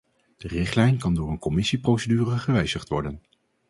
De richtlijn kan door een commissieprocedure gewijzigd worden.